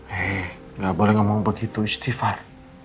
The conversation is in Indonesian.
hei gak boleh ngomong begitu istighfar